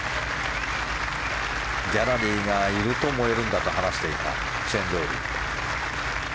ギャラリーがいると燃えるんだと話していたシェーン・ロウリー。